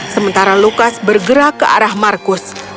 sementara lukas bergerak ke arah markus